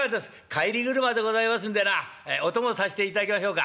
帰り俥でございますんでなお供させていただきましょうか」。